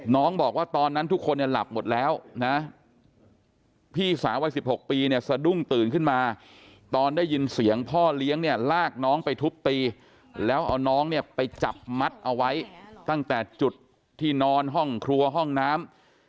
น้องบอกว่าตอนนั้นทุกคนเนี่ยหลับหมดแล้วนะพี่สาววัย๑๖ปีเนี่ยสะดุ้งตื่นขึ้นมาตอนได้ยินเสียงพ่อเลี้ยงเนี่ยลากน้องไปทุบตีแล้วเอาน้องเนี่ยไปจับมัดเอาไว้ตั้งแต่จุดที่นอนห้องครัวห้องน้ำ